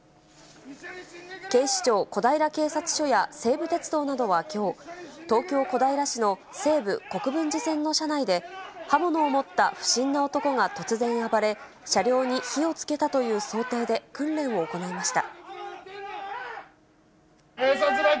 警視庁小平警察署や、西武鉄道などはきょう、東京・小平市の西武国分寺線の車内で、刃物を持った不審な男が突然暴れ、車両に火をつけたという想定で、訓練を行いました。